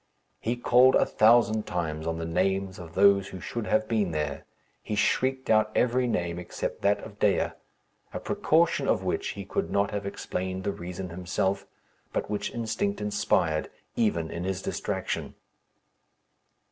He called a thousand times on the names of those who should have been there. He shrieked out every name except that of Dea a precaution of which he could not have explained the reason himself, but which instinct inspired even in his distraction.